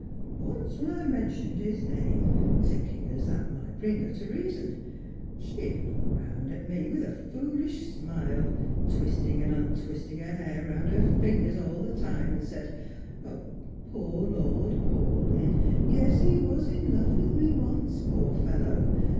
Once when I men tioned his name, thinkin' as that might bring her to reason, she looked at me with a foolish smile, twisting and untwisting her hair round her fingers all the time, and said 'Poor Lord Paulyn! Yes, he was in love with me once, poor fellow